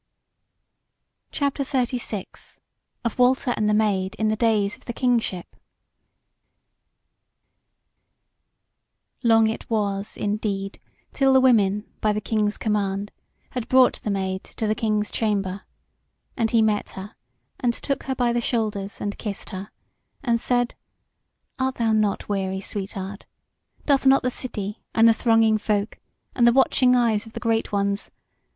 CHAPTER XXXVI: OF WALTER AND THE MAID IN THE DAYS OF THE KINGSHIP Long it was, indeed, till the women, by the King's command, had brought the Maid to the King's chamber; and he met her, and took her by the shoulders and kissed her, and said: "Art thou not weary, sweetheart? Doth not the city, and the thronging folk, and the watching eyes of the great ones